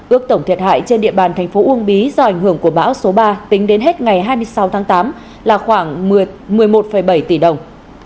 ước tổng thiệt hại trên địa bàn thành phố uông bí do ảnh hưởng của bão số ba tính đến hết ngày hai mươi sáu tháng tám là khoảng một mươi một bảy tỷ đồng